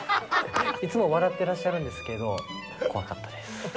いつも笑ってらっしゃるんですけど怖かったです。